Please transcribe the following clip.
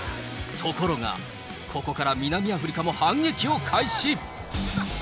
ところが、ここから南アフリカも反撃を開始。